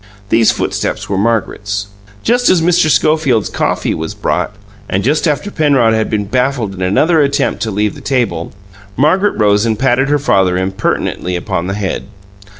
These footsteps were Margaret's. Just as Mr. Schofield's coffee was brought, and just after Penrod had been baffled in another attempt to leave the table, Margaret rose and patted her father impertinently upon the head.